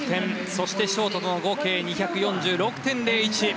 そして、ショートとの合計２４６．０１。